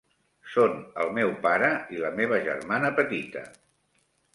Són el meu pare i la meva germana petita.